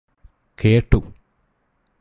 കേട്ടു